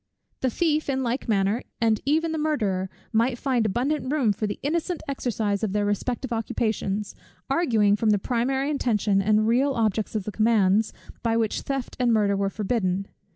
The thief, in like manner, and even the murderer, might find abundant room for the innocent exercise of their respective occupations, arguing from the primary intention and real objects of the commands, by which theft and murder were forbidden.